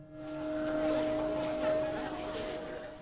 diangkat kembali ke kota